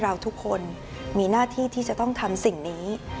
เราทุกคนมีหน้าที่ที่จะต้องทำสิ่งนี้